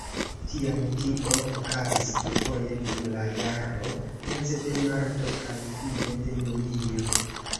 Tiam tio okazis dufoje dum la jaro: meze de marto kaj fine de julio.